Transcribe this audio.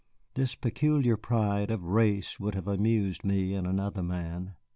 This peculiar pride of race would have amused me in another man.